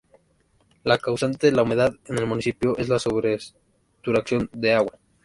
La causante de humedad en el municipio es la sobresaturación de agua.